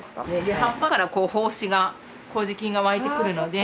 葉っぱから胞子が麹菌が湧いてくるので。